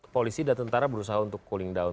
polisi dan tentara berusaha untuk cooling down